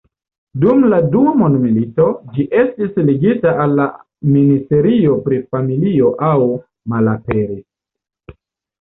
Dum la dua mondmilito, ĝi estis ligita al la ministerio pri familio aŭ malaperis.